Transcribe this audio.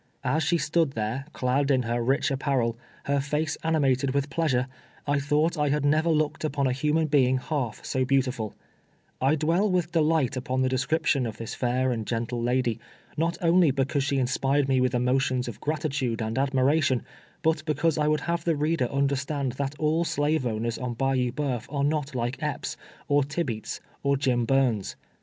As she stood there, clad in her rich ap parel, her face animated with })leasure, I thought I had never looked uikhi a luunaii ln'ing halt' so beautifuL 1 dwell with delight upon the description of this fair and gentle lady, not only because she inspired me with emotions of gratitude and admiration, but be cause I would have the reader understand that all slave ownei"s on Bayou Boouf are not like Epps, or Tibeats, or elim Burns.